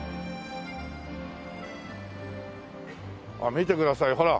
見てくださいほら！